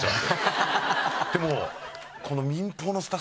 でも。